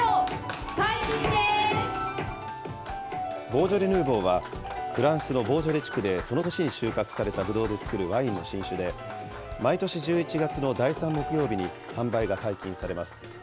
ボージョレ・ヌーボーはフランスのボージョレ地区でその年に収穫されたぶどうで造るワインの新酒で、毎年１１月の第３木曜日に販売が解禁されます。